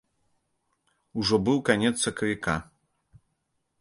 Ужо быў канец сакавіка.